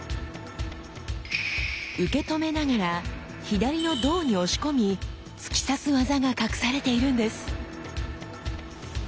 受け止めながら左の胴に押し込み突き刺す技が隠されているんです！